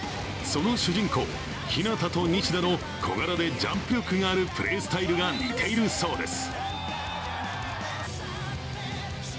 その主人公・日向と西田の小型でジャンプ力のあるプレースタイルが似ているそうです。